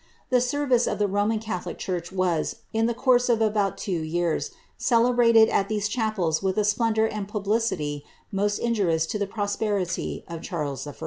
The service of the Roman catholic church was, in the course of about two years, celebrated at these chapels with a splendour and publicity most injurious to the pro iperiiy of Charles I.